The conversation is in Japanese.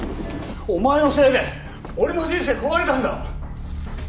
お前のせいで俺の人生壊れたんだ！